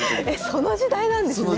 その時代なんですね。